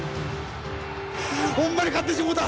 ほんまに勝ってしもうた。